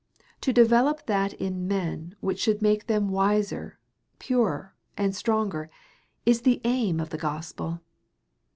To develop that in men which should make them wiser, purer, and stronger, is the aim of the gospel.